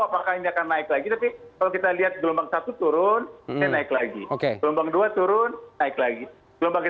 apakah ini akan naik lagi tapi kalau kita lihat gelombangcause turun menaik lagi oke gombang dua turun